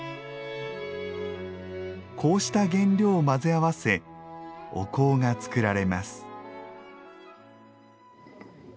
こうした原料を混ぜ合わせお香が作られます。